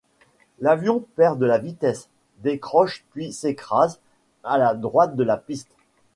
L'avion perd de la vitesse, décroche puis s'écrase, à la droite de la piste.